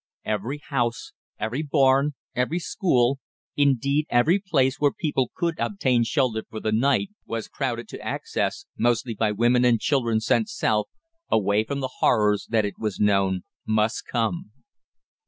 Every house, every barn, every school, indeed every place where people could obtain shelter for the night, was crowded to excess, mostly by women and children sent south, away from the horrors that it was known must come.